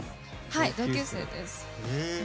はい、同級生です。